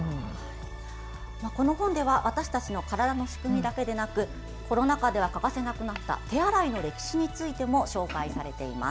この本では私たちの体の仕組みだけではなくコロナ禍では欠かせなくなった手洗いの歴史も紹介されています。